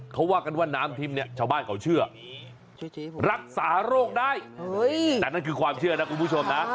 เขาว่ากันว่าน้ำทิพย์เนี่ยชาวบ้านเขาเชื่อรักษาโรคได้แต่นั่นคือความเชื่อนะคุณผู้ชมนะ